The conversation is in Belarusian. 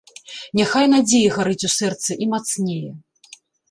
Няхай надзея гарыць у сэрцы і мацнее